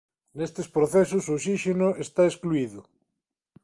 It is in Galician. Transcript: Nestes procesos o oxíxeno está excluído.